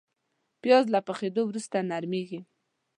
پیاز له پخېدو وروسته نرمېږي